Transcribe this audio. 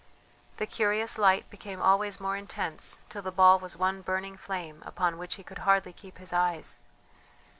The curious light became always more intense till the ball was one burning flame upon which he could hardly keep his eyes.